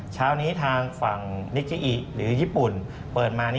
ดาวโจรนะครับ